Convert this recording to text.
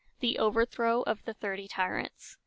THE OVERTHROW OF THE THIRTY TYRANTS.